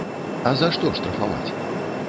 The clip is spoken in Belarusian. А за што штрафаваць?